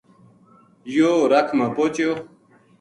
یوہ رکھ ما پوہچیو